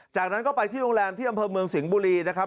จากนั้นก็ไปที่โรงแรมที่อำเภอเมืองสิงห์บุรีนะครับ